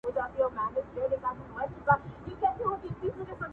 چې تاسې د دین په سلایې